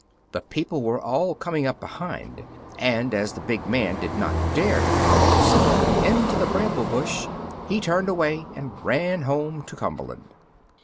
The people were all coming up behind, and as the big man did not dare to follow Solomon into the bramble bush, he turned away and ran home to Cumberland.